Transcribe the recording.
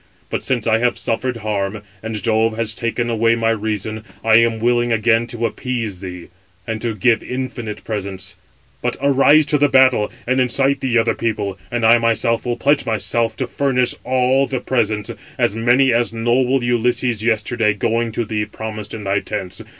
But since I have suffered harm, and Jove has taken away my reason, I am willing again to appease thee, and to give infinite presents. But arise to the battle, and incite the other people, and I myself [will pledge myself] to furnish all the presents, as many as noble Ulysses yesterday, going to thee, promised in thy tents.